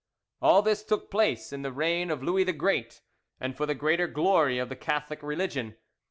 All this took place in the reign of Louis the Great, and for the greater glory of the Catholic religion.